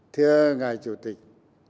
thưa ngài chủ tịch